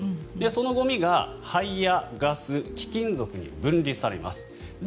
そのゴミが灰やガス、貴金属に分離されます。